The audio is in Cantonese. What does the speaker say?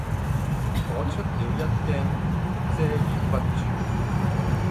我出了一驚，遮掩不住；